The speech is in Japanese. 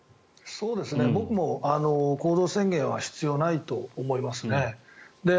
僕も行動制限は必要ないと思いますね。